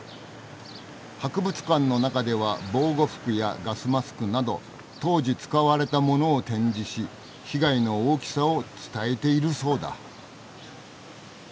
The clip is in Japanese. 博物館の中では防護服やガスマスクなど当時使われたものを展示し被害の大きさを伝えているそうだ。